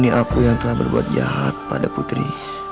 ini aku yang telah berbuat jahat pada putri